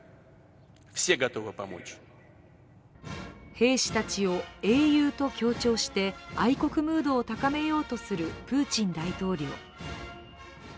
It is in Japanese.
兵士たちを英雄と強調して愛国ムードを高めようとするプーチン大統領。